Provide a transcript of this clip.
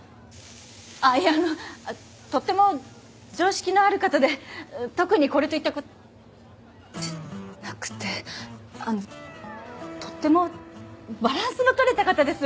あっいやあのとっても常識のある方で特にこれといったじゃなくてあのとってもバランスのとれた方です。